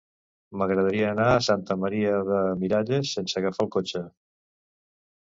M'agradaria anar a Santa Maria de Miralles sense agafar el cotxe.